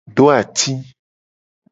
Do ati.